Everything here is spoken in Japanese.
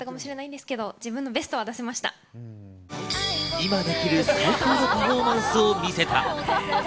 今できる最高のパフォーマンスを見せた。